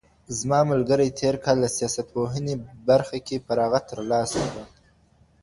زما ملګري تېر کال د سياستپوهنې برخه کي فراغت ترلاسه کړ.